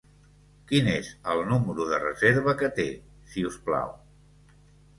Quin és el número de reserva que té, si us plau?